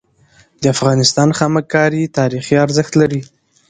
د افغانستان خامک کاری تاریخي ارزښت لري.